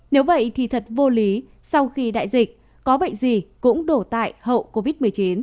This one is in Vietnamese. nếu vậy thì thật vô lý sau khi đại dịch có bệnh gì cũng đổ tại hậu covid một mươi chín